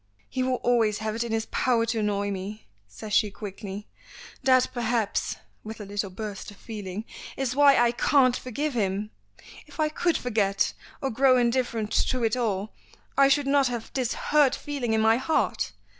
"He will always have it in his power to annoy me," says she quickly. "That perhaps," with a little burst of feeling, "is why I can't forgive him. If I could forget, or grow indifferent to it all, I should not have this hurt feeling in my heart.